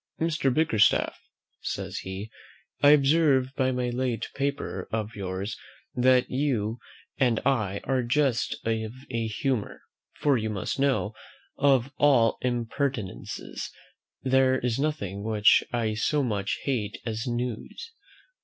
"Mr. Bickerstaff," says he, "I observe by a late paper of yours, that you and I are just of a humour; for you must know, of all impertinences, there is nothing which I so much hate as news.